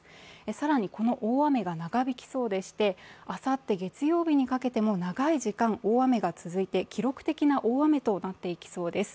更に、この大雨が長引きそうでしてあさって月曜日にかけても長い時間、大雨が続いて、記録的な大雨となっていきそうです。